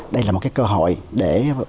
đây là một cơ hội để bắt đầu